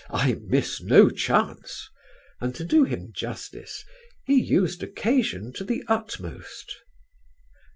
I miss no chance," and to do him justice he used occasion to the utmost.